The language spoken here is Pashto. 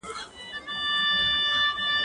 زه سبزېجات نه خورم!؟